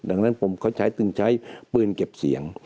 ดังนั้นผมเขาใช้ตึงใช้ปืนเก็บเสียง